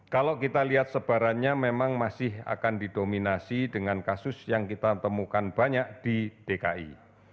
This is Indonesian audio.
kalau kita lihat sebarannya memang masih akan didominasi dengan kasus yang kita temukan banyak di dki